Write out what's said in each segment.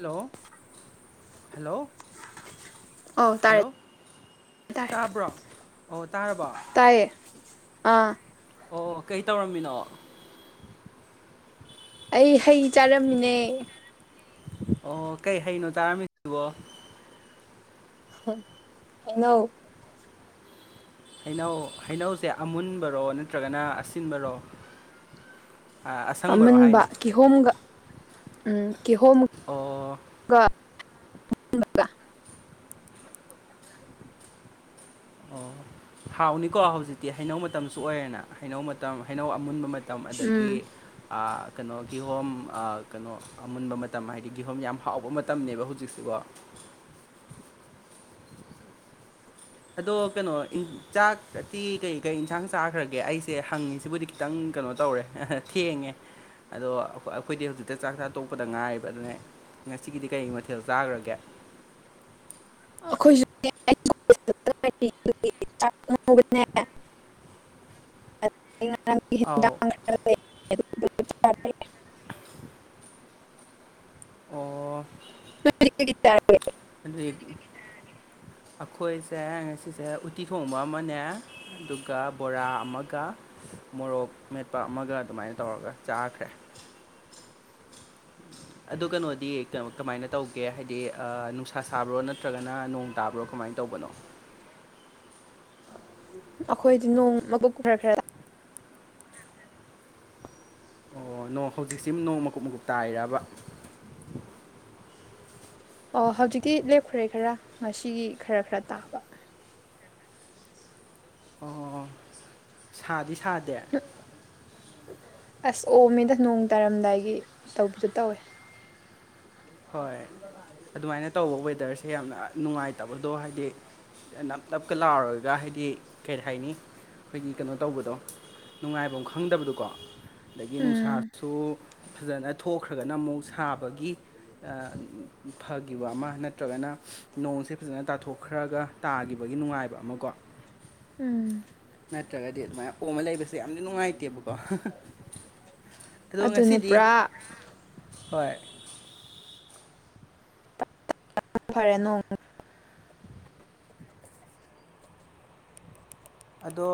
hello hello ꯑꯧ ꯇꯥꯔꯦ hello ꯇꯥꯔꯦ ꯇꯥꯕ꯭ꯔꯣ ꯑꯣ ꯇꯥꯔꯕꯣ ꯇꯥꯏꯌꯦ ꯑꯥ ꯑꯣ ꯀꯩ ꯇꯧꯔꯝꯃꯤꯅꯣ ꯑꯩ ꯍꯩ ꯆꯥꯔꯝꯃꯤꯅꯦ ꯑꯣ ꯀꯩ ꯍꯩꯅꯣ ꯇꯥꯔꯝꯃꯤꯗꯨꯕꯣ ꯍꯩꯅꯧ ꯍꯩꯅꯧ ꯍꯩꯅꯧꯁꯦ ꯑꯃꯨꯟꯕꯔꯣ ꯅꯠꯇ꯭ꯔꯒꯅ ꯑꯁꯤꯟꯕꯔꯣ ꯑ, ꯑꯁꯪꯕꯔꯣ ꯑꯃꯨꯟꯕ ꯍꯥꯏꯅꯦ ꯀꯤꯍꯣꯝꯒ ꯎꯝ ꯑꯣ ꯀꯤꯍꯣꯝꯒ ꯑꯣ ꯍꯥꯎꯅꯤꯀꯣ ꯍꯧꯖꯤꯛꯇꯤ ꯍꯩꯅꯧ ꯃꯇꯝꯁꯨ ꯑꯣꯏꯔꯦꯅ ꯍꯩꯅꯧ ꯃꯇꯝ ꯍꯩꯅꯧ ꯑꯃꯨꯟꯕ ꯃꯇꯝ ꯃꯇꯝ ꯎꯝ ꯑꯗꯒꯤ ꯀꯩꯅꯣ ꯀꯤꯍꯣꯝ ꯀꯩꯅꯣ ꯑꯃꯨꯟꯕ ꯃꯇꯝ ꯍꯥꯏꯗꯤ ꯀꯤꯍꯣꯝ ꯌꯥꯝ ꯍꯥꯎꯕ ꯃꯇꯝꯅꯤꯅꯦꯕ ꯍꯧꯖꯤꯛꯁꯤꯕꯣ ꯑꯗꯣ ꯀꯩꯅꯣ ꯆꯥꯛꯇꯤ ꯀꯩ ꯀꯩ ꯏꯟꯁꯥꯡ ꯆꯥꯈ꯭ꯔꯒꯦ ꯑꯩꯁꯦ ꯍꯪꯉꯤꯁꯤꯕꯨꯗꯤ ꯈꯤꯇꯪ ꯀꯩꯅꯣ ꯇꯧꯔꯦ ꯊꯦꯡꯉꯦ ꯑꯗꯣ ꯑꯩꯈꯣꯏꯗꯤ ꯍꯧꯖꯤꯛꯇ ꯆꯥꯛ ꯆꯥ ꯇꯣꯛꯄꯗ ꯉꯥꯏꯔꯤꯕ ꯑꯗꯨꯅꯦ ꯉꯁꯤꯒꯤꯗꯤ ꯀꯩ ꯃꯊꯦꯜ ꯆꯥꯈ꯭ꯔꯒꯦ ꯑꯈꯣꯏꯁꯨ ꯅꯦ ꯑ ꯑꯥꯎ ꯑꯣ [inaudible] ꯑꯗꯨ ꯑꯩꯈꯣꯏꯁꯦ ꯉꯁꯤꯁꯦ ꯎꯠꯇꯤ ꯊꯣꯡꯕ ꯑꯃꯅꯦ ꯑꯗꯨꯒ ꯕꯣꯔꯥ ꯑꯃꯒ ꯃꯣꯔꯣꯛ ꯃꯦꯠꯄ ꯑꯃꯒ ꯑꯗꯨꯃꯥꯏꯅ ꯇꯧꯔꯒ ꯆꯥꯈ꯭ꯔꯦ [unintelligible] ꯑꯗꯨ ꯀꯩꯅꯣꯗꯤ ꯀꯩꯅꯣ ꯀꯃꯥꯏꯅ ꯇꯧꯒꯦ ꯍꯥꯏꯗꯤ ꯅꯨꯡꯁꯥ ꯁꯥꯕ꯭ꯔꯣ ꯅꯠꯇ꯭ꯔꯒꯅ ꯅꯣꯡ ꯇꯥꯕ꯭ꯔꯣ ꯀꯃꯥꯏꯅ ꯇꯧꯕꯅꯣ ꯑꯩꯈꯣꯏꯗꯤ ꯅꯣꯡ ꯃꯀꯨꯞ ꯈꯔ ꯈꯔ ꯑꯣ ꯅꯣꯡ ꯍꯧꯖꯤꯛꯁꯤ ꯅꯣꯡ ꯃꯀꯨꯞ ꯃꯀꯨꯞ ꯇꯥꯔꯤꯔꯥꯕ ꯑꯣ ꯍꯧꯖꯤꯛꯇꯤ ꯂꯦꯞꯈ꯭ꯔꯦ ꯈꯔꯥ ꯉꯁꯤꯒꯤ ꯈꯔ ꯈꯔ ꯇꯥꯕ ꯑꯣ ꯁꯥꯗꯤ ꯁꯥꯗꯦ ꯑꯁ ꯑꯣꯝꯃꯤꯗ ꯅꯣꯡ ꯇꯥꯔꯝꯗꯥꯏꯒꯤ ꯇꯧꯕꯤꯗꯨ ꯇꯧꯋꯦ ꯍꯣꯏ ꯑꯗꯨꯃꯥꯏꯅ ꯇꯧꯕ ꯋꯦꯗꯔꯁꯦ ꯌꯥꯝꯅ ꯅꯨꯡꯉꯥꯏꯇꯕꯗꯣ ꯍꯥꯏꯗꯤ ꯅꯞ ꯅꯞꯀ ꯂꯥꯎꯔꯒ ꯍꯥꯏꯗꯤ ꯀꯔꯤ ꯍꯥꯏꯅꯤ ꯑꯩꯈꯣꯏꯒꯤ ꯀꯩꯅꯣ ꯇꯧꯕꯗꯣ ꯅꯨꯡꯉꯥꯏꯕꯝ ꯈꯪꯗꯕꯗꯣꯀꯣ ꯑꯗꯒꯤ ꯎꯝ ꯅꯨꯡꯁꯥꯁꯨ ꯐꯖꯅ ꯊꯣꯛꯈ꯭ꯔꯒꯅ ꯑꯃꯨꯛ ꯁꯥꯕꯒꯤ ꯑꯥ ꯐꯈꯤꯕ ꯑꯃ ꯅꯠꯇ꯭ꯔꯒꯅ ꯅꯣꯡꯁꯦ ꯐꯖꯅ ꯇꯥꯊꯣꯛ ꯈꯔꯒ ꯇꯥꯒꯤꯕꯒꯤ ꯅꯨꯡꯉꯥꯏꯕ ꯑꯃ ꯀꯣ ꯎꯝ ꯅꯠꯇ꯭ꯔꯒꯗꯤ ꯑꯗꯨꯃꯥꯏꯅ ꯑꯣꯃ ꯂꯩꯕꯁꯦ ꯌꯥꯝꯗꯤ ꯅꯨꯡꯉꯥꯏꯇꯦꯕꯀꯣ ꯍ ꯍ ꯑꯗꯨꯅꯦ ꯄꯨꯔꯥ ꯍꯣꯏ ꯐꯔꯦꯅꯣ ꯑꯗꯣ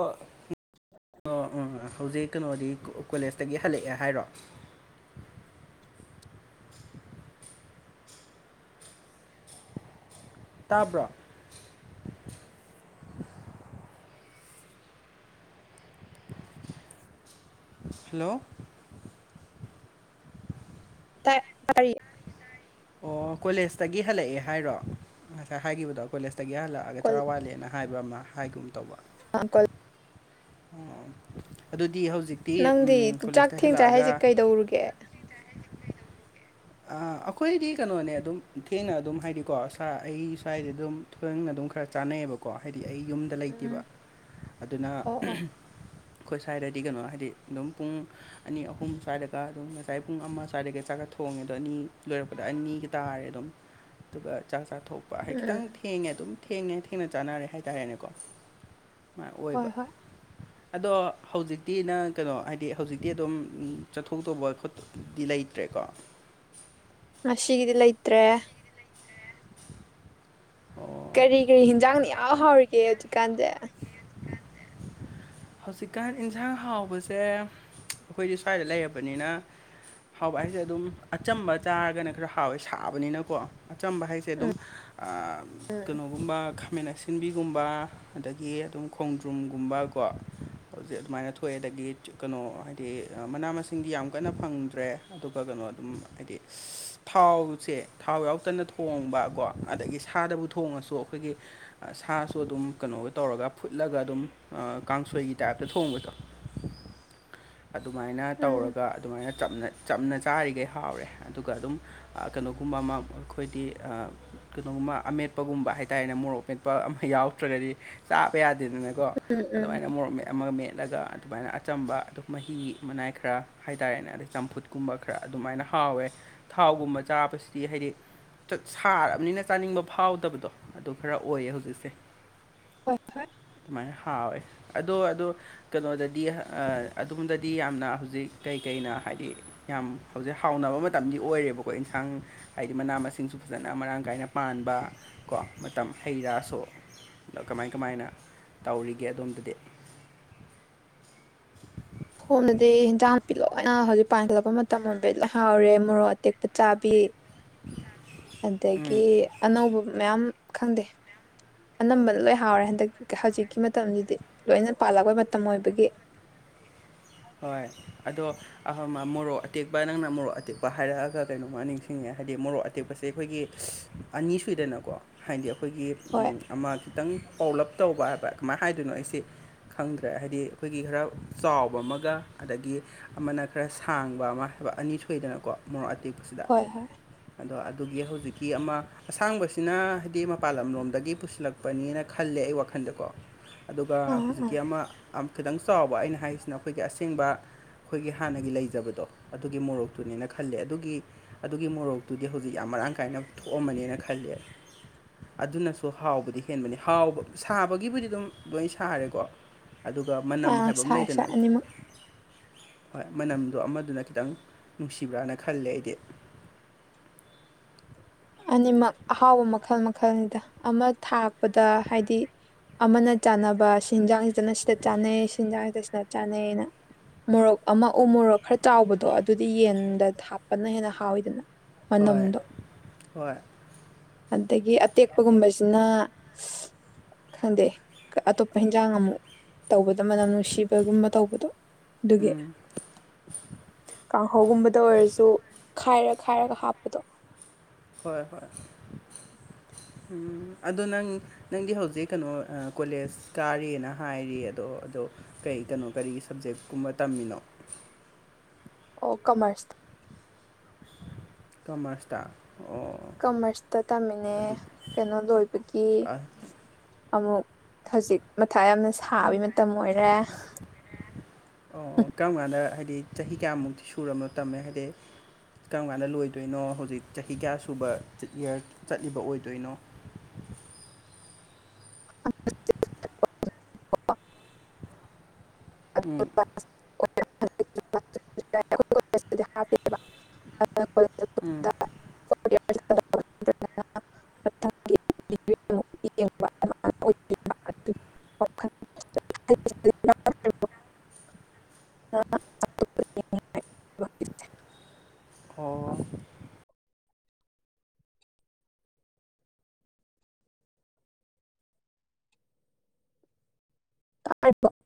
ꯎꯝ ꯍꯧꯖꯤꯛ ꯀꯩꯅꯣꯗꯤ ꯀꯣꯂꯦꯖꯇꯒꯤ ꯍꯜꯂꯛꯑꯦ ꯍꯥꯏꯔꯣ ꯇꯥꯕ꯭ꯔꯣ ꯍꯜꯂꯣ ꯇꯥꯏ ꯇꯥꯔꯤ ꯑꯣ ꯀꯣꯂꯦꯖꯇꯒꯤ ꯍꯜꯂꯛꯑꯦ ꯍꯥꯏꯔꯣ ꯉꯁꯥꯏ ꯍꯥꯏꯈꯤꯕꯗꯣ ꯀꯣꯂꯦꯖꯇꯒꯤ ꯍꯜꯂꯛ ꯍꯜꯂꯛꯑꯥꯒꯥ ꯀꯣꯜ ꯆꯔꯥ ꯋꯥꯠꯂꯦꯅ ꯍꯥꯏꯕ ꯑꯃ ꯍꯥꯏꯒꯨꯝ ꯇꯧꯕ ꯑ ꯀꯣꯜ ꯑꯣ ꯑꯗꯨꯗꯤ ꯍꯧꯖꯤꯛꯇꯤ ꯎꯝ ꯀꯣꯂꯦꯖꯇꯩ ꯍꯜꯂꯛꯑꯒ ꯀꯧꯔꯨꯒꯦ ꯑꯥ ꯑꯈꯣꯏꯗꯤ ꯀꯩꯅꯣꯅꯦ ꯑꯗꯨꯝ ꯊꯦꯡꯅ ꯑꯗꯨꯝ ꯍꯥꯏꯗꯤꯀꯣ ꯁꯥ ꯑꯩ ꯁ꯭ꯋꯥꯏꯗꯩ ꯑꯗꯨꯝ ꯂꯧꯁꯤꯟꯕ ꯉꯝꯗꯕ ꯑꯗꯨꯝ ꯈꯔ ꯆꯥꯟꯅꯩꯌꯦꯕ ꯀꯣ ꯍꯥꯏꯗꯤ ꯑꯩ ꯌꯨꯝꯗ ꯎꯝ ꯂꯩꯇꯦꯕ ꯑꯗꯨꯅ ꯑꯣ ꯎꯝ ꯑꯣ ꯍꯨꯝ ꯑꯩꯈꯣꯏ ꯁ꯭ꯋꯥꯏꯗꯗꯤ ꯀꯩꯅꯣ ꯍꯥꯏꯗꯤ ꯑꯗꯨꯝ ꯄꯨꯡ ꯑꯅꯤ ꯑꯍꯨꯝ ꯁ꯭ꯋꯥꯏꯗꯒ ꯑꯗꯨꯝ ꯉꯁꯥꯏ ꯄꯨꯡ ꯑꯃ ꯁ꯭ꯋꯥꯏꯗꯒ ꯆꯥꯛꯀ ꯊꯣꯡꯉꯦ ꯑꯗꯣ ꯑꯅꯤ ꯂꯣꯏꯔꯛꯄꯗ ꯑꯅꯤꯒ ꯇꯥꯔꯦ ꯑꯗꯨꯝ ꯑꯗꯨꯒ ꯆꯥꯛ ꯆꯥꯊꯣꯛꯄ ꯍꯥꯏꯗꯤ ꯈꯤꯇꯪ ꯎꯝ ꯊꯦꯡꯉꯦ ꯑꯗꯨꯝ ꯊꯦꯡꯉꯦ ꯊꯦꯡꯅ ꯆꯥꯟꯅꯔꯦ ꯍꯥꯏꯇꯥꯔꯦꯅꯦꯀꯣ ꯁꯨꯃꯥꯏ ꯍꯣꯏ ꯑꯣꯏꯕ ꯍꯣꯏ ꯑꯗꯣ ꯍꯧꯖꯤꯛꯇꯤ ꯅꯪ ꯀꯩꯅꯣ ꯍꯥꯏꯗꯤ ꯍꯧꯖꯤꯛꯇꯤ ꯑꯗꯨꯝ ꯎꯝ ꯆꯠꯊꯣꯛꯇꯧꯕ ꯈꯣꯠ ꯗꯤ ꯂꯩꯇ꯭ꯔꯦꯀꯣ ꯉꯁꯤꯒꯤꯗꯤ ꯂꯩꯇ꯭ꯔꯦ ꯑꯣ ꯀꯔꯤ ꯀꯔꯤ ꯍꯤꯟꯖꯥꯡꯅ ꯏꯍꯥꯎ ꯍꯥꯎꯔꯤꯒꯦ ꯍꯧꯖꯤꯛꯀꯥꯟꯖꯦ ꯍꯧꯖꯤꯛꯀꯥꯟ ꯏꯟꯁꯥꯡ ꯍꯥꯎꯕꯁꯦ ꯑꯩꯈꯣꯏꯗꯤ ꯁ꯭ꯋꯥꯏꯗ ꯂꯩꯔꯕꯅꯤꯅ ꯍꯥꯎꯕ ꯍꯥꯏꯁꯦ ꯑꯗꯨꯝ ꯑꯆꯝꯕ ꯆꯥꯔꯒꯅ ꯈꯔ ꯍꯥꯎꯋꯦ ꯁꯥꯕꯅꯤꯅꯀꯣ ꯑꯆꯝꯕ ꯍꯥꯏꯁꯦ ꯑꯗꯨꯝ ꯑꯥ ꯀꯩꯅꯣꯒꯨꯝꯕ ꯈꯥꯃꯦꯟ ꯑꯁꯤꯟꯕꯤꯒꯨꯝꯕ ꯑꯗꯒꯤ ꯑꯗꯨꯝ ꯈꯣꯡꯗ꯭ꯔꯨꯝꯒꯨꯝꯕ ꯀꯣ ꯍꯧꯖꯤꯛ ꯑꯗꯨꯃꯥꯏꯅ ꯊꯣꯛꯑꯦ ꯑꯗꯒꯤ ꯀꯩꯅꯣ ꯍꯥꯏꯗꯤ ꯑ ꯃꯅꯥ ꯃꯁꯤꯡꯗꯤ ꯌꯥꯝ ꯀꯟꯅ ꯐꯪꯗ꯭ꯔꯦ ꯑꯗꯨꯒ ꯀꯩꯅꯣ ꯑꯗꯨꯝ ꯍꯥꯏꯗꯤ ꯁꯁ ꯊꯥꯎꯁꯦ ꯊꯥꯎ ꯌꯥꯎꯗꯅ ꯊꯣꯡꯕ ꯀꯣ ꯑꯗꯒꯤ ꯁꯥꯗꯕꯨ ꯊꯣꯡꯉꯁꯨ ꯑꯩꯈꯣꯏꯒꯤ ꯑ ꯁꯥꯁꯨ ꯑꯗꯨꯝ ꯀꯩꯅꯣꯒ ꯇꯧꯔꯒ ꯐꯨꯠꯂꯒ ꯑꯗꯨꯝ ꯑ ꯀꯥꯡꯁꯣꯏꯒꯤ ꯇꯥꯏꯞꯇ ꯊꯣꯡꯕꯗꯣ ꯑꯗꯨꯃꯥꯏꯅ ꯎꯝ ꯇꯧꯔꯒ ꯑꯗꯨꯃꯥꯏꯅ ꯆꯝꯅ ꯆꯝꯅ ꯆꯥꯔꯤꯒꯩ ꯍꯥꯎꯔꯦ ꯑꯗꯨꯒ ꯑꯗꯨꯝ ꯑ ꯀꯩꯅꯣꯒꯨꯝꯕ ꯑꯃ ꯑꯩꯈꯣꯏꯗꯤ ꯑ ꯀꯩꯅꯣꯒꯨꯝꯕ ꯑꯃꯦꯠꯄꯒꯨꯝꯕ ꯍꯥꯏꯇꯥꯔꯦꯅꯦ ꯃꯣꯔꯣꯛ ꯃꯦꯠꯄ ꯑꯃ ꯌꯥꯎꯗ꯭ꯔꯒꯗꯤ ꯆꯥꯕ ꯌꯥꯗꯦꯗꯅ ꯀꯣ ꯎꯝ ꯎꯝ ꯑꯗꯨꯃꯥꯏꯅ ꯃꯣꯔꯣꯛ ꯃꯦꯠ ꯑꯃ ꯃꯦꯠꯂꯒ ꯑꯗꯨꯃꯥꯏꯅ ꯑꯆꯝꯕ ꯃꯍꯤ ꯃꯅꯥꯏ ꯈꯔ ꯍꯥꯏꯇꯥꯔꯦꯅꯦ ꯑꯗꯩ ꯆꯝꯐꯨꯠꯀꯨꯝꯕ ꯈꯔ ꯑꯗꯨꯃꯥꯏꯅ ꯍꯥꯎꯋꯦ ꯊꯥꯎꯒꯨꯝꯕ ꯆꯥꯕꯁꯤꯗꯤ ꯍꯥꯏꯗꯤ ꯆꯠ ꯁꯥꯔꯕꯅꯤꯅ ꯆꯥꯅꯤꯡꯕ ꯐꯥꯎꯗꯕꯗꯣ ꯑꯗꯨ ꯈꯔ ꯑꯣꯏꯌꯦ ꯍꯧꯖꯤꯛꯁꯦ ꯋꯥꯏ ꯐꯥꯏ ꯁꯨꯃꯥꯏꯅ ꯍꯥꯎꯋꯦ ꯑꯗꯣ ꯑꯗꯣ ꯀꯩꯅꯣꯗꯗꯤ ꯍ ꯑꯥ ꯑꯗꯣꯝꯗꯗꯤ ꯌꯥꯝꯅ ꯍꯧꯖꯤꯛ ꯀꯩꯀꯩꯅ ꯍꯥꯏꯗꯤ ꯌꯥꯝ ꯍꯧꯖꯤꯛ ꯍꯥꯎꯅꯕ ꯃꯇꯝꯗꯤ ꯑꯣꯏꯔꯦꯕꯀꯣ ꯏꯟꯁꯥꯡ ꯍꯥꯏꯗꯤ ꯃꯅꯥ ꯃꯁꯤꯡꯁꯨ ꯐꯖꯅ ꯃꯔꯥꯡ ꯀꯥꯏꯅ ꯄꯥꯟꯕ ꯀꯣ ꯃꯇꯝ ꯍꯩ ꯔꯥꯁꯨ ꯑꯗꯣ ꯀꯃꯥꯏ ꯀꯃꯥꯏꯅ ꯇꯧꯔꯤꯒꯦ ꯑꯗꯣꯝꯗꯗꯤ ꯐꯣꯝꯗꯗꯤ ꯍꯤꯟꯖꯥꯡ ꯅꯥꯄꯤ ꯂꯣꯢ ꯍꯣꯏꯅ ꯍꯧꯖꯤꯛ ꯄꯥꯟꯈꯠꯂꯛꯄ ꯃꯇꯝ ꯑꯣꯏꯕꯩ ꯂꯣꯢ ꯍꯥꯎꯔꯦ ꯃꯣꯔꯣꯛ ꯑꯇꯦꯛꯄ ꯆꯥꯕꯤ ꯑꯗꯒꯤ ꯎꯝ ꯑꯅꯧꯕ ꯃꯌꯥꯝ ꯈꯪꯗꯦ ꯑꯅꯝꯕꯅ ꯂꯣꯏ ꯍꯥꯎꯔꯦ ꯍꯟꯗꯛ ꯍꯧꯖꯤꯛꯀꯤ ꯃꯇꯝꯁꯤꯗꯤ ꯂꯣꯏꯅ ꯄꯥꯜꯂꯛꯄꯩ ꯃꯇꯝ ꯑꯣꯏꯕꯒꯤ ꯍꯣꯏ ꯑꯗꯣ ꯃꯣꯔꯣꯛ ꯑꯇꯦꯛꯄ ꯅꯪꯅ ꯃꯣꯔꯣꯛ ꯑꯇꯦꯛꯄ ꯍꯥꯏꯔꯛꯑꯒ ꯀꯩꯅꯣꯃ ꯅꯤꯡꯁꯤꯡꯉꯦ ꯍꯥꯏꯗꯤ ꯃꯣꯔꯣꯛ ꯑꯇꯦꯛꯄꯁꯦ ꯑꯩꯈꯣꯏꯒꯤ ꯑꯅꯤ ꯁꯨꯏꯗꯅꯀꯣ ꯍꯥꯏꯗꯤ ꯑꯩꯈꯣꯏꯒꯤ ꯍꯣꯏ ꯑꯃ ꯈꯤꯇꯪ ꯄꯧꯂꯞ ꯇꯧꯕ ꯍꯥꯏꯕ ꯀꯃꯥꯏꯅ ꯍꯥꯏꯗꯣꯏꯅꯣ ꯑꯩꯁꯦ ꯈꯪꯗ꯭ꯔꯦ ꯍꯥꯏꯗꯤ ꯑꯩꯈꯣꯏꯒꯤ ꯈꯔ ꯆꯥꯎꯕ ꯑꯃ ꯒ ꯑꯗꯒꯤ ꯑꯃꯅ ꯈꯔ ꯁꯥꯡꯕ ꯑꯃ ꯍꯥꯏꯕ ꯑꯅꯤ ꯁꯨꯏꯗꯅꯀꯣ ꯃꯣꯔꯣꯛ ꯑꯇꯦꯛꯄꯁꯤꯗ ꯍꯣꯏ ꯍꯣꯏ ꯑꯗꯣ ꯑꯗꯨꯒꯤ ꯍꯧꯖꯤꯛꯀꯤ ꯑꯃ ꯑꯁꯥꯡꯕꯁꯤꯅ ꯍꯥꯏꯗꯤ ꯃꯄꯥꯟ ꯂꯝꯂꯣꯝꯗꯒꯤ ꯄꯨꯁꯤꯜꯂꯛꯄꯅꯦꯅ ꯈꯜꯂꯦ ꯑꯩ ꯋꯥꯈꯜꯗꯀꯣ ꯑꯗꯨꯒ ꯑꯥ ꯑꯥ ꯍꯧꯖꯤꯛꯀꯤ ꯑꯃ ꯈꯤꯇꯪ ꯆꯥꯎꯕ ꯑꯩꯅ ꯍꯥꯏꯔꯤꯁꯤꯅ ꯑꯩꯈꯣꯏꯒꯤ ꯑꯁꯦꯡꯕ ꯑꯩꯈꯣꯏꯒꯤ ꯍꯥꯟꯅꯒꯤ ꯂꯩꯖꯕꯗꯣ ꯑꯗꯨꯒꯤ ꯃꯣꯔꯣꯛꯇꯨꯅꯦꯅ ꯈꯜꯂꯦ ꯑꯗꯨꯒꯤ ꯑꯗꯨꯒꯤ ꯃꯣꯔꯣꯛꯇꯨꯗꯤ ꯍꯧꯖꯤꯛ ꯌꯥꯝ ꯃꯔꯥꯡ ꯀꯥꯏꯅ ꯊꯣꯛꯑꯝꯃꯅꯤꯅ ꯈꯜꯂꯦ ꯑꯗꯨꯅꯁꯨ ꯍꯥꯎꯕꯗꯤ ꯍꯦꯟꯕꯅꯤ ꯍꯥꯎꯕ ꯁꯥꯕꯒꯤꯕꯨꯗꯤ ꯑꯗꯨꯝ ꯂꯣꯏ ꯁꯥꯔꯦꯀꯣ ꯑꯗꯨꯒ ꯃꯅꯝ ꯑꯥ ꯍꯥꯏꯕ ꯑꯃ ꯁꯥꯏ ꯁꯥꯏ ꯂꯩꯗꯅ ꯑꯅꯤꯃꯛ ꯍꯣꯏ ꯃꯅꯝꯗꯣ ꯑꯃꯗꯨꯅ ꯈꯤꯇꯪ ꯅꯨꯡꯁꯤꯕ꯭ꯔꯥꯅ ꯈꯜꯂꯦ ꯑꯩꯗꯤ ꯑꯅꯤꯃꯛ ꯑꯍꯥꯎꯕ ꯃꯈꯜ ꯃꯈꯜꯅꯤꯗ ꯑꯃ ꯊꯥꯛꯄꯗ ꯍꯥꯏꯗꯤ ꯑꯃꯅ ꯆꯥꯟꯅꯕ ꯁꯦꯟꯖꯥꯡꯁꯤꯗꯅ ꯁꯤꯗ ꯆꯥꯅꯩ ꯁꯦꯟꯖꯥꯡꯁꯤꯗ ꯁꯤꯗ ꯆꯥꯅꯩꯅ ꯃꯣꯔꯣꯛ ꯑꯃ ꯎ ꯃꯣꯔꯣꯛ ꯈꯔ ꯆꯥꯎꯕꯗꯣ ꯑꯗꯨꯗꯤ ꯌꯦꯟꯗ ꯍꯥꯞꯄꯅ ꯍꯦꯟꯅ ꯍꯥꯎꯋꯤꯗꯅ ꯍꯣꯏ ꯃꯅꯝꯗꯣ ꯍꯣꯏ ꯑꯗꯒꯤ ꯑꯇꯦꯛꯄꯒꯨꯝꯕꯁꯤꯅ ꯈꯪꯗꯦ ꯑꯇꯣꯞꯄ ꯏꯟꯖꯥꯡ ꯑꯃꯨꯛ ꯇꯧꯕꯗꯣ ꯃꯅꯝ ꯅꯨꯡꯁꯤꯕꯒꯨꯝꯕ ꯇꯧꯕꯗꯣ ꯑꯗꯨꯒꯤ ꯎꯝ ꯀꯥꯡꯍꯧꯒꯨꯝꯕꯗ ꯑꯣꯏꯔꯁꯨ ꯈꯥꯏꯔ ꯈꯥꯏꯔꯒ ꯍꯥꯞꯄꯗꯣ ꯍꯣꯏ ꯍꯣꯏ ꯎꯝ ꯑꯗꯣ ꯅꯪ ꯅꯪꯗꯤ ꯍꯧꯖꯤꯛ ꯀꯩꯅꯣ ꯀꯣꯂꯦꯖ ꯀꯥꯔꯤꯅ ꯍꯥꯏꯔꯤ ꯑꯗꯣ ꯑꯗꯣ ꯀꯩ ꯀꯩꯅꯣ ꯀꯔꯤꯒꯤ ꯁꯞꯖꯦꯛꯀꯨꯝꯕ ꯇꯝꯃꯤꯅꯣ ꯑꯣ ꯀꯃꯔꯁ ꯀꯃꯔꯁꯇꯥ ꯑꯣ ꯀꯃꯔꯁꯇ ꯇꯝꯃꯤꯅꯦ ꯑꯗꯨ ꯀꯩꯅꯣ ꯂꯣꯏꯕꯒꯤ ꯑꯃꯨꯛ ꯍꯧꯖꯤꯛ ꯃꯊꯥ ꯌꯥꯝꯅ ꯁꯥꯕꯒꯤ ꯃꯇꯝ ꯑꯣꯏꯔꯦ ꯑꯣ ꯀꯔꯝ ꯀꯥꯟꯗ ꯍꯥꯏꯗꯤ ꯆꯍꯤ ꯀꯌꯥꯃꯨꯛꯇꯤ ꯁꯨꯔꯕꯅꯣ ꯇꯝꯃꯦ ꯍꯥꯏꯗꯤ ꯀꯔꯝ ꯀꯥꯟꯗ ꯂꯣꯏꯗꯣꯏꯅꯣ ꯍꯧꯖꯤꯛ ꯆꯍꯤ ꯀꯌꯥ ꯁꯨꯕ ꯏꯌꯥꯔ ꯆꯠꯂꯤꯕ ꯑꯣꯏꯗꯣꯏꯅꯣ [inaudible] ꯎꯝ [inaudible] ꯎꯝ ꯋꯥꯈꯠ [inaudible] ꯑꯣ [inaudible]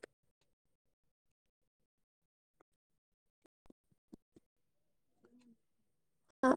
ꯑ